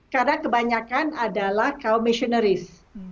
karena kebanyakan adalah kaum misionaris